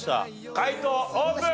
解答オープン！